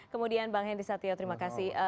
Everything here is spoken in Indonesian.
kemudian bang hendy satya terima kasih